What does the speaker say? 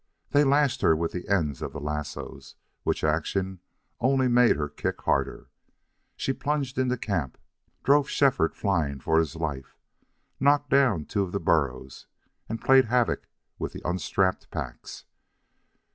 They lashed her with the ends of the lassoes, which action only made her kick harder. She plunged into camp, drove Shefford flying for his life, knocked down two of the burros, and played havoc with the unstrapped packs.